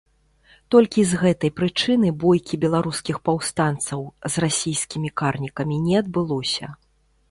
Толькі з гэтай прычыны бойкі беларускіх паўстанцаў з расійскімі карнікамі не адбылося.